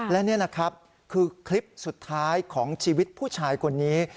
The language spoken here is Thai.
และนี่แหละครับคือคลิปสุดท้ายของชีวิตผู้ชายคนนี้